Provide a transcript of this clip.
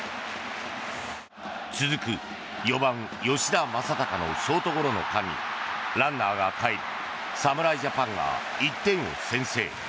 続く４番、吉田正尚のショートゴロの間にランナーがかえり侍ジャパンが１点を先制。